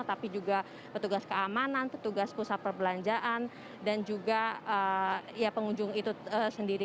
tapi juga petugas keamanan petugas pusat perbelanjaan dan juga ya pengunjung itu sendiri